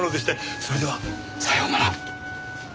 それではさようなら。